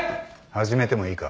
始めてもいいか？